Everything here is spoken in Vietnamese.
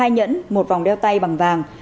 hai nhẫn một vòng đeo tay bằng vàng